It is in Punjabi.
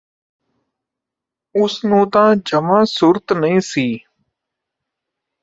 ਉਸ ਨੂੰ ਤਾਂ ਜਵਾਂ ਸੁਰਤ ਨਹੀਂ ਸੀ